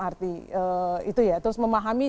arti itu ya terus memahami